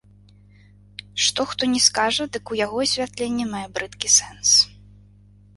Што хто ні скажа, дык у яго асвятленні мае брыдкі сэнс.